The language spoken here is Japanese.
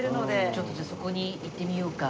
ちょっとじゃあそこに行ってみようか。